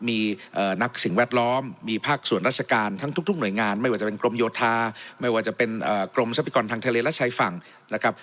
มีนักสิ่งแวดล้อมมีภาคส่วนราชการทั้งทุกหน่วยงานไม่ว่าจะเป็นกรมโยธาไม่ว่าจะเป็นกรมทรัพยากรทางทะเลและชายฝั่งนะครับ